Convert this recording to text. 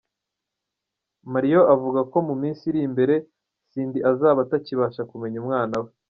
Mario avuga ko mu minsi iri imbere Cindy azaba atakibasha kumenya umwana we.